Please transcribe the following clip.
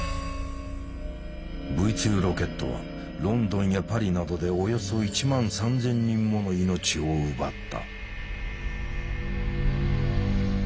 Ｖ２ロケットはロンドンやパリなどでおよそ１万３，０００人もの命を奪った。